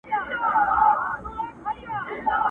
ماته به نه وایې چي تم سه، اختیار نه لرمه٫